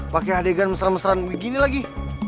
pake adegan mesran mesran begini lagi